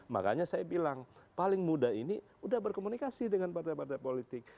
makanya saya bilang paling mudah ini sudah berkomunikasi dengan partai politik